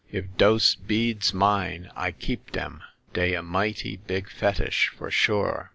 If dose beads mine, I keep dem ; dey a mighty big fetish, for sure